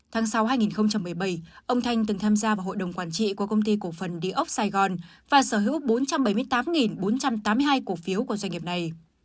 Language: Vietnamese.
tháng sáu hai nghìn một mươi bảy ông thanh từng tham gia vào hội đồng quản trị của công ty cổ phần địa ốc sài gòn và sở hữu bốn trăm bảy mươi tám bốn trăm tám mươi hai cổ phiếu của doanh nghiệp này